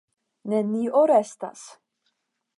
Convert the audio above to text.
Nenio restas.